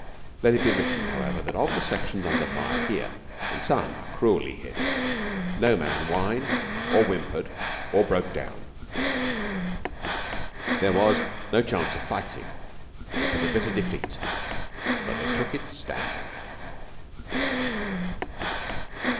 Let it be written, however, that of the sections under fire here (and some are cruelly hit) no man whined, or whimpered, or broke down. There was no chance of fighting. It was bitter defeat, but they took it standing.